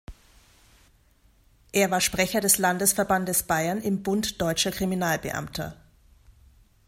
Er war Sprecher des Landesverbandes Bayern im Bund Deutscher Kriminalbeamter.